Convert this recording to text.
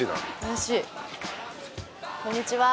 こんにちは。